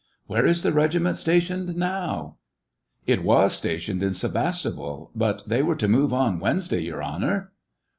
" Where is the regiment stationed now }"" It was stationed in Sevastopol, but they were to move on Wednesday, Your Honor."